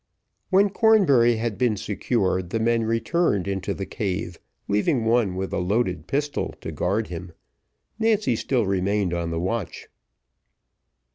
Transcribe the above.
When Cornbury had been secured, the men returned into the cave, leaving one with a loaded pistol to guard him. Nancy still remained on the watch.